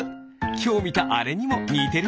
きょうみたあれにもにてる。